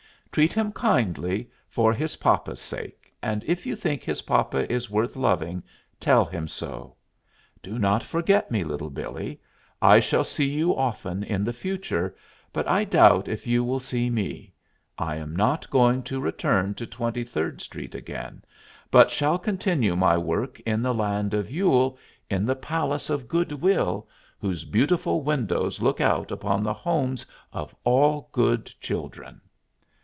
Treat him kindly for his papa's sake, and if you think his papa is worth loving tell him so. Do not forget me, Little Billee. I shall see you often in the future, but I doubt if you will see me. I am not going to return to Twenty Third Street again, but shall continue my work in the Land of Yule, in the Palace of Good Will, whose beautiful windows look out upon the homes of all good children.